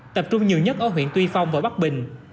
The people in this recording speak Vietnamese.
tập trung nhiều nhất ở huyện tuy phong và bắc bình